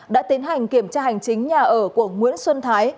đã tiến hành kiểm tra hành chính nhà ở của nguyễn xuân thái